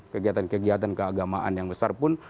kegiatan kegiatan keagamaan yang besar pun